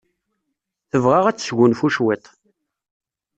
Tebɣa ad tesgunfu cwiṭ.